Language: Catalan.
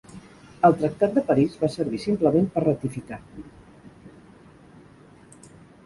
El Tractat de París va servir simplement per ratificar.